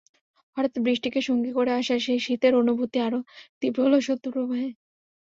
হঠাৎ বৃষ্টিকে সঙ্গী করে আসা সেই শীতের অনুভূতি আরও তীব্র হলো শৈত্যপ্রবাহে।